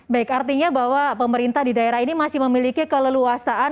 baik artinya bahwa pemerintah di daerah ini masih memiliki keleluasaan